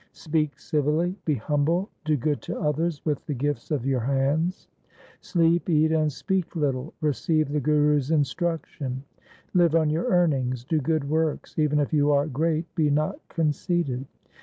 Speak civilly, be humble, do good to others with the gifts of your hands. Sleep, eat, and speak little ; receive the Guru's instruc tion. Live on your earnings ; do good works ; even if you are great, be not conceited.